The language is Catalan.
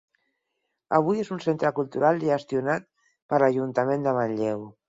Avui és un centre cultural gestionat per l'Ajuntament de Manlleu.